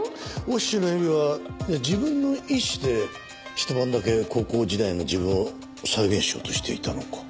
忍野絵美は自分の意思でひと晩だけ高校時代の自分を再現しようとしていたのか。